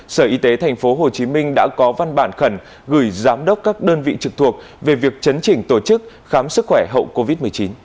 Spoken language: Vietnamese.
sở y tế tp hcm đã có văn bản khẩn gửi giám đốc các đơn vị trực thuộc về việc chấn chỉnh tổ chức khám sức khỏe hậu covid một mươi chín